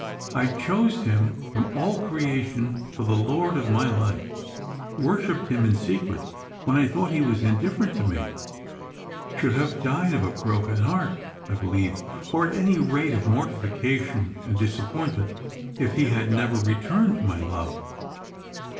I chose him out from all creation for the lord of my life, worshipped him in secret when I thought he was indifiereut to me ; should have died of a broken heart, I believe, or at any rate of mortification and disappointment, if he had never returned my love."